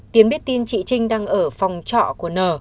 tiến biết tin chị trinh đang ở phòng trọ của n